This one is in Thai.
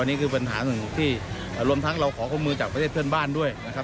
นี่คือปัญหาหนึ่งที่รวมทั้งเราขอข้อมูลจากประเทศเพื่อนบ้านด้วยนะครับ